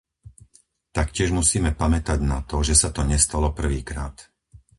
Taktiež musíme pamätať na to, že sa to nestalo prvýkrát.